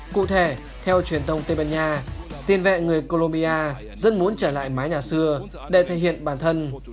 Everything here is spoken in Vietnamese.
cụ thể theo truyền thông tây ban nha tiền vệ người colombia rất muốn trở lại mái nhà xưa để thể hiện bản thân